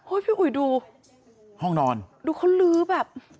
พี่อุ๋ยดูห้องนอนดูเขาลื้อแบบ